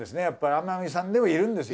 天海さんでもいるんです。